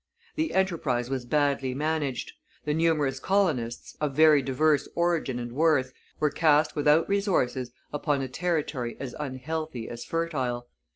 The enterprise was badly managed; the numerous colonists, of very diverse origin and worth, were cast without resources upon a territory as unhealthy as fertile.